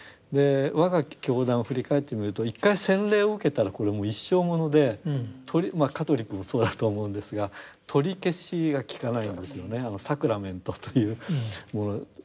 我が教団を振り返ってみると一回洗礼を受けたらこれもう一生ものでまあカトリックもそうだとは思うんですが取り消しが効かないんですよねサクラメントというもの。